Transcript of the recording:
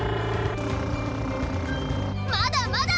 まだまだ！